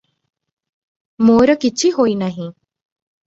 ମୋର କିଛି ହୋଇନାହିଁ ।